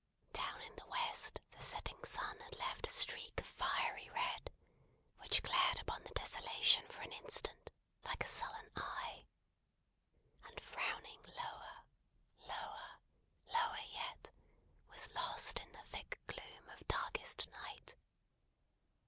Down in the west the setting sun had left a streak of fiery red, which glared upon the desolation for an instant, like a sullen eye, and frowning lower, lower, lower yet, was lost in the thick gloom of darkest night.